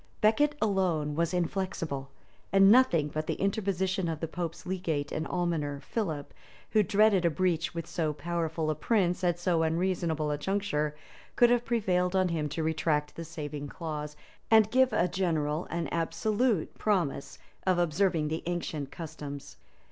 Becket alone was inflexible; and nothing but the interposition of the pope's legate and almoner, Philip, who dreaded a breach with so powerful a prince at so unseasonable a juncture, could have prevailed on him to retract the saving clause, and give a general and absolute promise of observing the ancient customs.